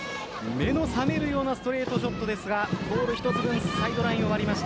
目の覚めるようなストレートショットですがボール１つ分サイドラインを割りました。